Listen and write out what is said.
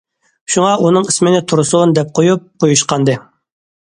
شۇڭا ئۇنىڭ ئىسمىنى تۇرسۇن دەپ قويۇپ قويۇشقانىدى.